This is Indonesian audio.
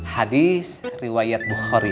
hadis riwayat bukhori